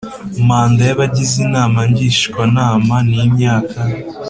Manda y abagize Inama Ngishwanama ni imyaka